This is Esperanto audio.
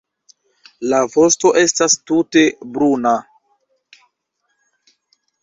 La vosto estas tute bruna.